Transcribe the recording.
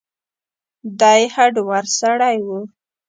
دی هډور سړی و.